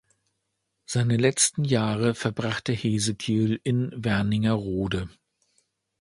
Seine letzten Jahre verbrachte Hesekiel in Wernigerode.